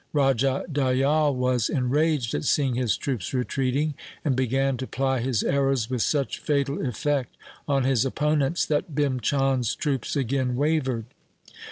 Raja Dayal was enraged at seeing his troops retreating, and began to ply his arrows with such fatal effect on his opponents that Bhim Chand' s troops again wavered.